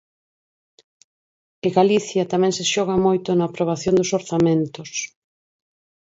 E Galicia tamén se xoga moito na aprobación dos orzamentos.